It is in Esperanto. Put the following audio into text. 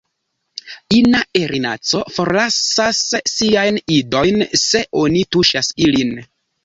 Ina erinaco forlasas siajn idojn se oni tuŝas ilin.